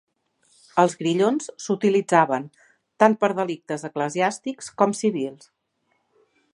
Els grillons s'utilitzaven tant per delictes eclesiàstics com civils.